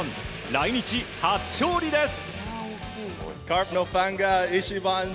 来日初勝利です。